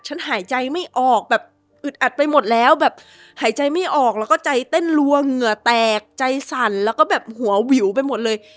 หายใจไม่ออกแบบอึดอัดไปหมดแล้วแบบหายใจไม่ออกแล้วก็ใจเต้นรัวเหงื่อแตกใจสั่นแล้วก็แบบหัววิวไปหมดเลย